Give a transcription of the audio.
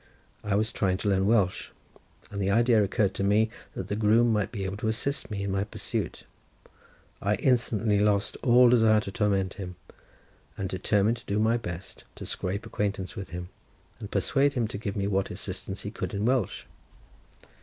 I was trying to learn Welsh, and the idea occurring to me that the groom might be able to assist me in my pursuit, I instantly lost all desire to torment him, and determined to do my best to scrape acquaintance with him, and persuade him to give me what assistance he could in Welsh.